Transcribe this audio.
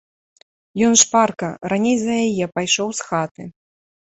Ён шпарка, раней за яе, пайшоў з хаты.